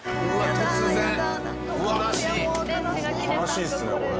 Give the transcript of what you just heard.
悲しいですねこれ。